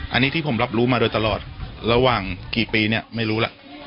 อันนี้ที่ผมรับรู้มาโดยตลอดระหว่างกี่ปีเนี่ยไม่รู้ล่ะ